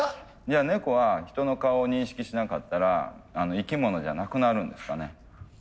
じゃあ猫は人の顔を認識しなかったら生き物じゃなくなるんですかね？